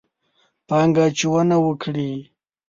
پانګه اچونه وکړي.